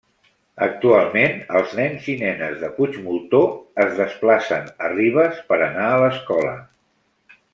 Actualment els nens i nenes de Puigmoltó es desplacen a Ribes per anar a l'escola.